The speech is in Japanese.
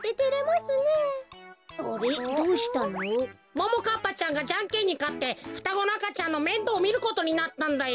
ももかっぱちゃんがじゃんけんにかってふたごのあかちゃんのめんどうみることになったんだよ。